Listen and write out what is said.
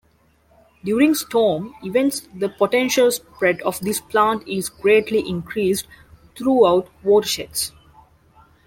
During storm events the potential spread of this plant is greatly increased throughout watersheds.